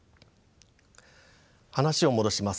話を戻します。